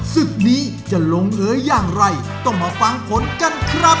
ศึกนี้จะลงเอยอย่างไรต้องมาฟังผลกันครับ